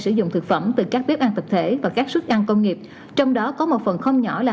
sử dụng thực phẩm từ các bếp ăn tập thể và các suất ăn công nghiệp trong đó có một phần không nhỏ là